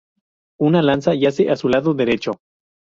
Una lanza yace a su lado derecho.